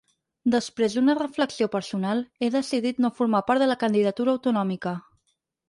Després d’una reflexió personal he decidit no formar part de la candidatura autonòmica.